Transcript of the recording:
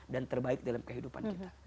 dan terbaik dalam kehidupan kita